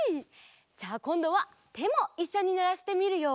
じゃあこんどはてもいっしょにならしてみるよ。